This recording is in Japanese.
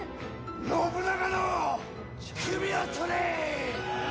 信長の首を取れ！